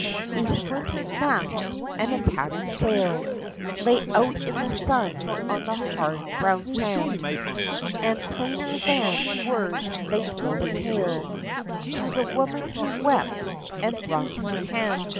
A splintered mast and a tattered sail Lay out in the sun on the hard, brown sands And plainer than words they told a tale To the woman who wept and wrung her hands.